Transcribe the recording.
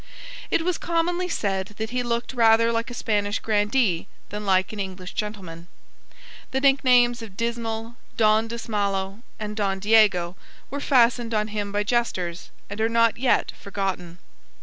It was commonly said that he looked rather like a Spanish grandee than like an English gentleman. The nicknames of Dismal, Don Dismallo, and Don Diego, were fastened on him by jesters, and are not yet forgotten.